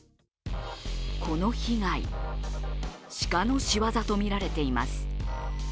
この被害、鹿のしわざとみられています。